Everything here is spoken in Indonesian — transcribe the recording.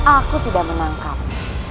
aku tidak menangkapnya